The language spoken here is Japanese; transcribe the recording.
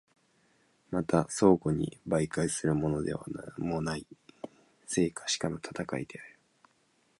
また相互に媒介するのでもない、生か死かの戦である。